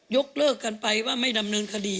ยกเลิกกันไปว่าไม่ดำเนินคดี